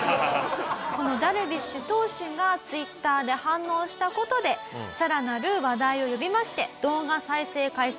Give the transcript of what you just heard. このダルビッシュ投手がＴｗｉｔｔｅｒで反応した事でさらなる話題を呼びましてうわ！